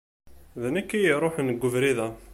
D nekk i iṛuḥen g ubrid-a.